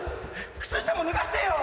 靴下も脱がしてよ！